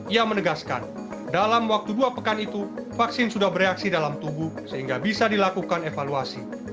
ia menegaskan dalam waktu dua pekan itu vaksin sudah bereaksi dalam tubuh sehingga bisa dilakukan evaluasi